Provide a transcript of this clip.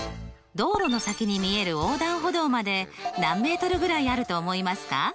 道路の先に見える横断歩道まで何メートルぐらいあると思いますか？